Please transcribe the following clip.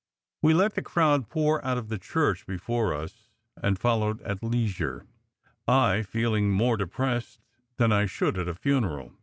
We let the crowd pour out of the church before us, and followed at leisure, I feeling more depressed than I should at a funeral.